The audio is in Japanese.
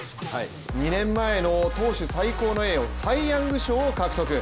２年前の投手最高の栄誉サイ・ヤング賞を獲得。